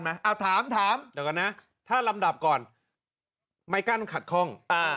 ไหมอ่ะถามถามเดี๋ยวก่อนนะถ้ารำดับก่อนไม้กั้นขัดข้องอ่า